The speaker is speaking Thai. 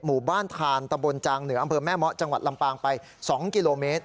หมู่บ้านทานตะบนจางเหนืออำเภอแม่เมาะจังหวัดลำปางไป๒กิโลเมตร